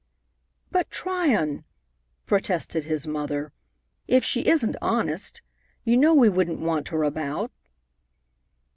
"But, Tryon," protested his mother, "if she isn't honest, you know we wouldn't want her about."